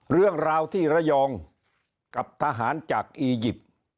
เรื่องราวที่ระยองกับทหารจากอียิปต์